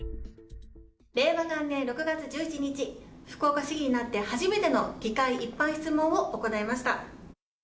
令和元年６月１７日、福岡市議になって初めての議会一般質問を行いました。